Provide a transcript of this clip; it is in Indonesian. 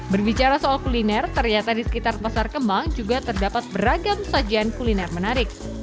berbicara soal kuliner ternyata di sekitar pasar kembang juga terdapat beragam sajian kuliner menarik